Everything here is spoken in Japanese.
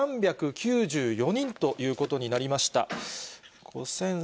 ５３９４人ということになりました。